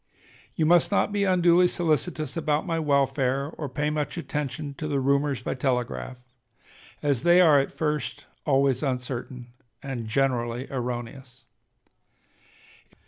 You must not be unduly solicitous about my welfare, or pay much attention to the rumors by telegraph, as they are at first always uncertain and generally erroneous.